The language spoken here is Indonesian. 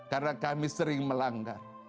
karena kami sering melanggar